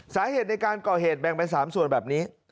สาเหตุในการก่อเหตุแบ่งไปสามส่วนรุ่นนี้